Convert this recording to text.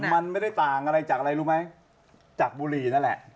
มันไม่ได้ต่างอะไรจากอะไรรู้ไหมจากบุหรี่นั่นแหละ